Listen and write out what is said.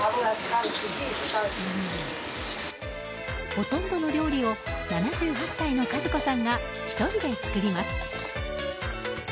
ほとんどの料理を７８歳の和子さんが１人で作ります。